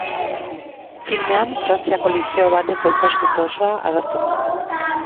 Filmean Frantziako lizeo bateko ikasturte osoa agertzen da.